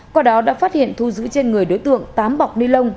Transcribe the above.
qua đó đã phát hiện thu giữ trên người đối tượng tám bọc ni lông